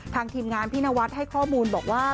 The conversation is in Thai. ทีมงานพี่นวัดให้ข้อมูลบอกว่า